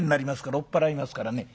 追っ払いますからね。